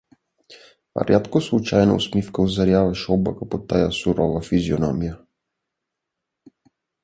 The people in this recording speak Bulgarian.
Рядко случайна усмивка озаряваше облака по тая сурова физиономия.